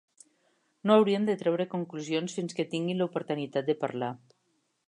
No hauríem de treure conclusions fins que tinguin l'oportunitat de parlar.